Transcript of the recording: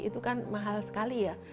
itu kan mahal sekali ya